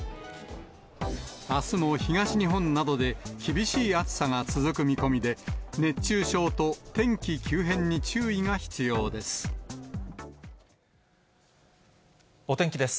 あすも東日本などで厳しい暑さが続く見込みで、熱中症と天気急変お天気です。